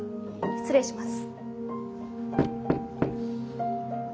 失礼します。